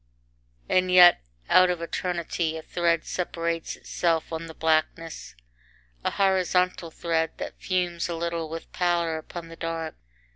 IX And yet out of eternity a thread separates itself on the blackness, a horizontal thread that fumes a little with pallor upon the dark.